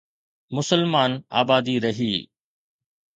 مسلمان آبادي رهي.